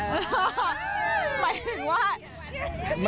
หมายถึงว่า